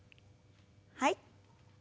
はい。